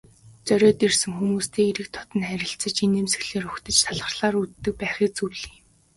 Зориод ирсэн хүмүүстэй эелдэг дотно харилцаж, инээмсэглэлээр угтаж, талархлаар үддэг байхыг зөвлөе.